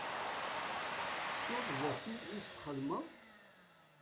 Tettuḍ d acu i s-txedmeḍ?